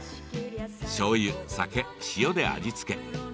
しょうゆ、酒、塩で味付け。